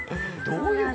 どういう事？